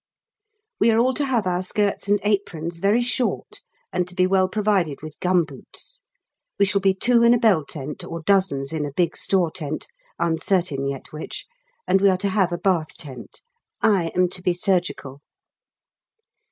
We are all to have our skirts and aprons very short and to be well provided with gum boots. We shall be two in a bell tent, or dozens in a big store tent, uncertain yet which, and we are to have a bath tent. I am to be surgical.